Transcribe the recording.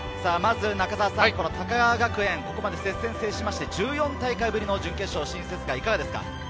まず、高川学園、ここまで接戦しまして１４大会ぶりの準決勝進出ですが、いかがですか？